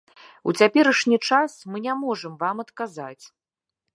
У цяперашні час мы не можам вам адказаць.